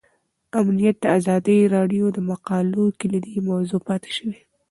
امنیت د ازادي راډیو د مقالو کلیدي موضوع پاتې شوی.